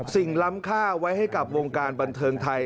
สิ่งล้ำค่าไว้ให้บังคัยบันเทิงไทย